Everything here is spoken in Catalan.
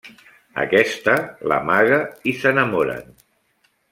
Aquesta l’amaga i s'enamoren.